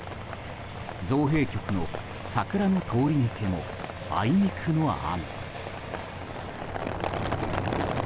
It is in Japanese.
造幣局の、桜の通り抜けもあいにくの雨。